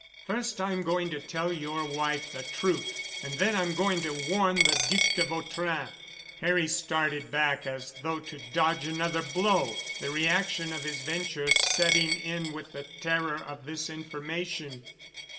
First I'm going to tell your wife the truth and then I'm going to warn the Duc de Vautrin." Harry started back as though to dodge another blow, the reaction of his venture setting in with the terror of this information.